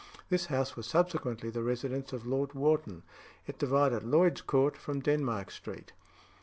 This house was subsequently the residence of Lord Wharton. It divided Lloyd's Court from Denmark Street.